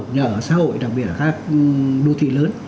nhà ở xã hội đặc biệt ở các đô thị lớn